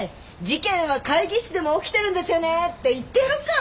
事件は会議室でも起きてるんですよねって言ってやろうか？